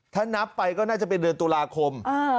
ถ้านับไปก็น่าจะเป็นเดือนตุลาคม